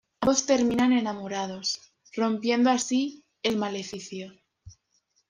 Ambos terminan enamorados, rompiendo así el maleficio.